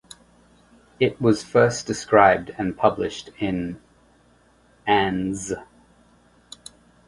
It was first described and published in Anz.